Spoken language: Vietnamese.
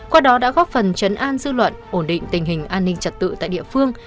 qua đó đã góp phần chấn an dư luận ổn định tình hình an ninh trật tự tại địa phương